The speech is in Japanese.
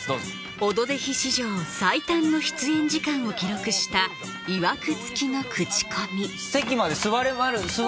「オドぜひ」史上最短の出演時間を記録したいわく付きのクチコミ席まで座れる？